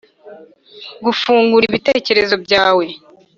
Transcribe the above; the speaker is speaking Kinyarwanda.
fungura ibitekerezo byawe.